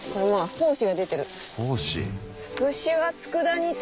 胞子。